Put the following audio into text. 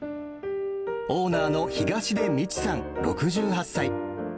オーナーの東出道さん６８歳。